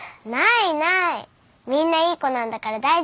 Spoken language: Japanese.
みんないい子なんだから大丈夫だって。